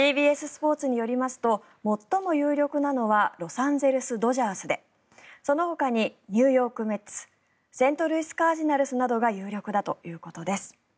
ＣＢＳスポーツによりますと最も有力なのはロサンゼルス・ドジャースでそのほかにニューヨーク・メッツセントルイス・カージナルスなどが有力だということです。